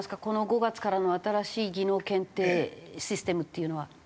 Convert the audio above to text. この５月からの新しい技能検定システムっていうのは。